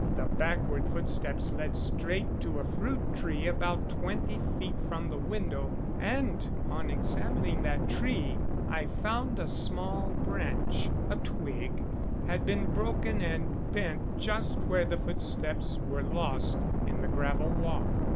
The backward footsteps led straight to a fruit tree about twenty feet from the window, and on examining that tree I found a small branch a twig had been broken and bent just where the footsteps were lost in the gravel walk.